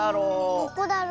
どこだろ？